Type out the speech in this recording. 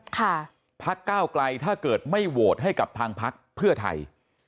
พักก้าวไกลถ้าเกิดไม่โหวตให้กับทางพักเพื่อไทย